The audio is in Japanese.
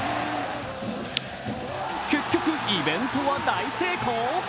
結局、イベントは大成功？